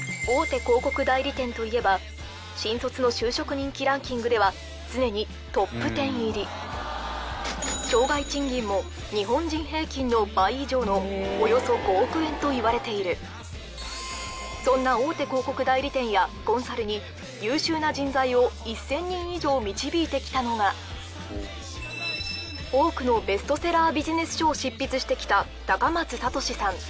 大手広告代理店といえば新卒の就職人気ランキングでは常にトップ１０入り生涯賃金も日本人平均の倍以上のおよそ５億円といわれているそんな大手広告代理店やコンサルに優秀な人材を１０００人以上導いてきたのが多くのベストセラービジネス書を執筆してきた